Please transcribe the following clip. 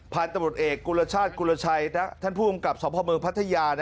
ผ่านตะบุตรเอกกุลชาติกุลชัยท่านผู้กำกับสภพเมืองพัทยา